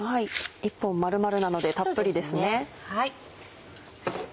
１本丸々なのでたっぷりですね。